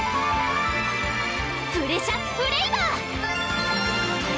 プレシャスフレイバー！